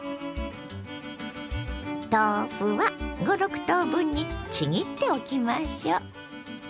豆腐は５６等分にちぎっておきましょう。